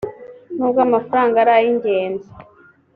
nubwo amafaranga ari ay ingenzi